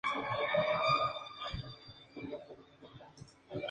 Estos coches fueron alargados en el pilar B, entre las puertas delanteras y traseras.